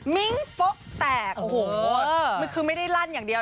มันคือไม่ได้ลั่นอย่างเดียว